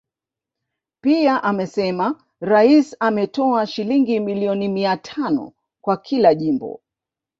Pia amesema Rais ametoa shilingi milioni mia tano kwa kila jimbo